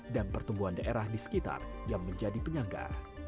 dan pertumbuhan daerah di sekitar yang menjadi penyangga